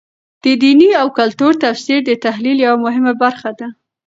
د دیني او کلتور تفسیر د تحلیل یوه مهمه برخه ده.